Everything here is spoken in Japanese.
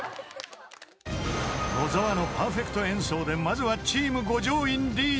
［野澤のパーフェクト演奏でまずはチーム五条院リード］